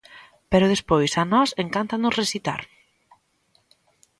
Pero despois a nós encántanos recitar.